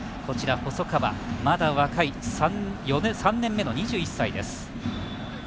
細川、まだ若い３年目の２１歳です。